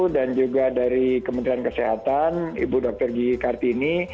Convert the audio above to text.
dan juga dari kementerian kesehatan ibu dr gigi kartini